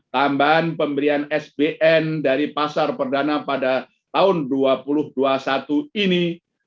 tambahan pemberian sbn dari pasar perdana pada tahun dua ribu dua puluh satu ini